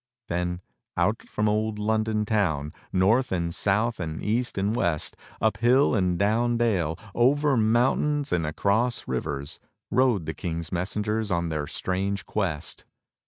" Then out from old London Town, north and south and east and west, up hill and down dale, over mountains and across rivers, rode the King's messengers on their strange quest.